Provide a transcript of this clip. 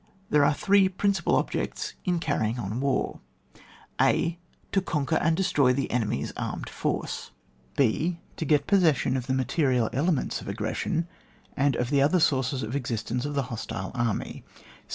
There are three principal objects in carrying on war — (a) To conquer and destroy the ene my's armed force. SUMMARY OF imTRUCTIOK 111 {h) To get possession of the material elements of aggression, and of the other sources of existence of the hostile army.